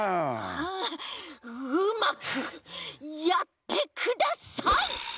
ああうまくやってください！